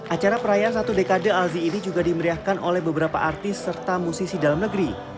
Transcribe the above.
acara perayaan satu dekade alzi ini juga dimeriahkan oleh beberapa artis serta musisi dalam negeri